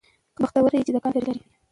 بختور يې چې د کار ملګري لرې